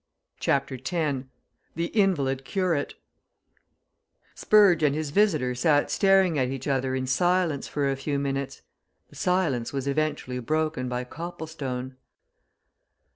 CHAPTER X THE INVALID CURATE Spurge and his visitor sat staring at each other in silence for a few minutes; the silence was eventually broken by Copplestone.